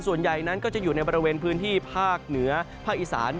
ส่วนใหญ่นั้นก็จะอยู่ในบริเวณพื้นที่ภาคเหนือภาคอีสาน